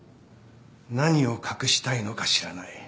何を隠したいのか知らない。